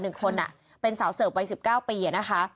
หนึ่งคนอ่ะเป็นสาวเสิร์ฟวัย๑๙ปีนะคะ